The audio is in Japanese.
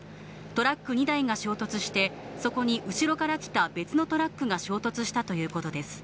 トラック２台が衝突して、そこに後ろから来た別のトラックが衝突したということです。